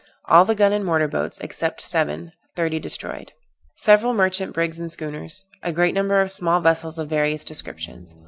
All the gun and mortar boats, except seven; thirty destroyed. Several merchant brigs and schooners. A great number of small vessels of various descriptions.